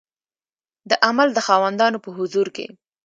د عمل د خاوندانو په حضور کې